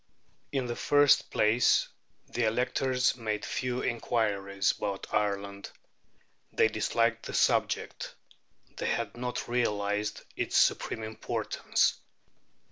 In the first place, the electors made few inquiries about Ireland. They disliked the subject; they had not realized its supreme importance.